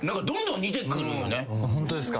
ホントですか？